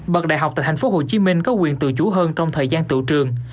bậc đại học tại tp hcm có quyền tự chủ hơn trong thời gian tự trường